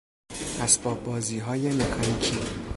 اسباب بازیهای مکانیکی